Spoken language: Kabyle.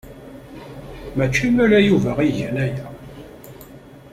Mačči ala Yuba i igan aya.